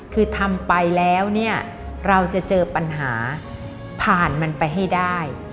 คือทำไปแล้วเนี่ยเราจะเจอปัญหาผ่านมันไปให้ได้